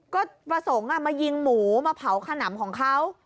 ก็ประสงค์มายิงหมูมาเผาขนำของเขา